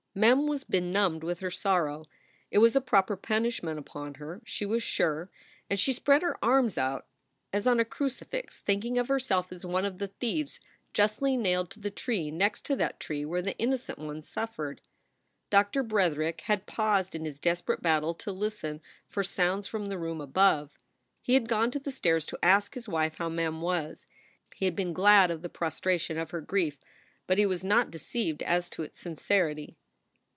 Mem was benumbed with her sorrow. It was a proper punishment upon her, she was sure ; and she spread her arms out as on a crucifix, thinking of herself as one of the thieves justly nailed to the tree next to that tree where the Innocent One suffered. Doctor Bretherick had paused in his desperate battle to listen for sounds from the room above. He had gone to the stairs to ask his wife how Mem was. He had been glad of the prostration of her grief, but he was not deceived as to its sincerity.